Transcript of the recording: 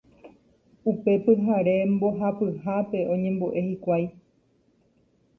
Upe pyhare mbohapyhápe oñembo'e hikuái.